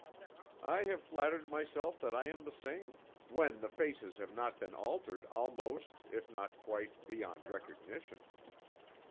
"I have flattered myself that I am the same when the faces have not been altered almost (if not quite) beyond recognition."